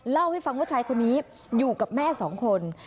เล่าให้ฟังว่าชายคนนี้อยู่กับแม่สองคน